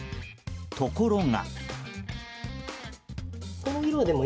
ところが。